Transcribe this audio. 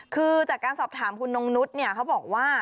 คือจากการสอบถามคุณน้องนุ๊ดเนี่ยเขาบอกว่า